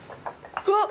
うわっ！